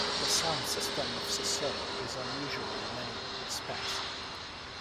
The sound system of Sesotho is unusual in many respects.